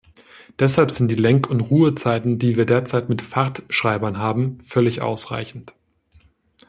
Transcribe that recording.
Deshalb sind die Lenk- und Ruhezeiten, die wir derzeit mit Fahrtschreibern haben, völlig ausreichend.